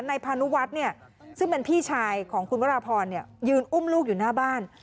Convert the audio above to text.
พานุวัฒน์เนี่ยซึ่งเป็นพี่ชายของคุณวราพรยืนอุ้มลูกอยู่หน้าบ้าน